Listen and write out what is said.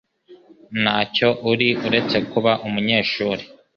Ntacyo uri uretse kuba umunyeshuri.